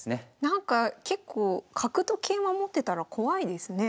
なんか結構角と桂馬持ってたら怖いですね。